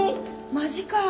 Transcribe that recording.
マジか。